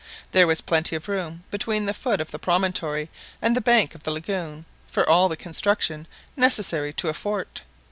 There was plenty of room between the foot of the promontory and the bank of the lagoon for all the constructions necessary to a fort.